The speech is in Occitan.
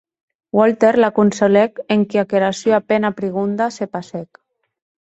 Walter la consolèc enquia qu’era sua pena prigonda se passèc.